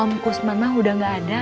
om kusman mah udah gak ada